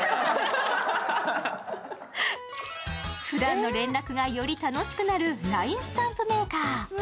ふだんの連絡が、より楽しくなる「ＬＩＮＥスタンプメーカー」。